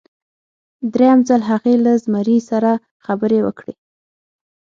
دریم ځل هغې له زمري سره خبرې وکړې.